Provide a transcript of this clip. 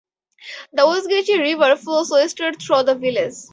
The Oswegatchie River flows westward through the village.